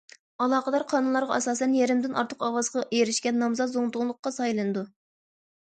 ئالاقىدار قانۇنلارغا ئاساسەن، يېرىمدىن ئارتۇق ئاۋازغا ئېرىشكەن نامزات زۇڭتۇڭلۇققا سايلىنىدۇ.